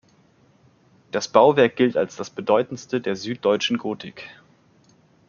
Das Bauwerk gilt als das bedeutendste der süddeutschen Gotik.